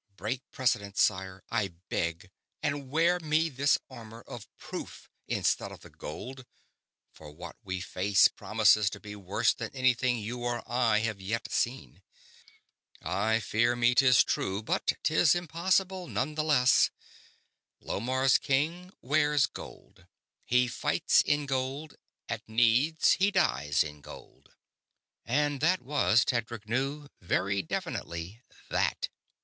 Break precedent, sire, I beg, and wear me this armor of proof instead of the gold; for what we face promises to be worse than anything you or I have yet seen." "I fear me 'tis true, but 'tis impossible, nonetheless. Lomarr's king wears gold. He fights in gold; at need he dies in gold." And that was, Tedric knew, very definitely that.